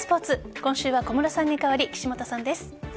今週は小室さんに代わり岸本さんです。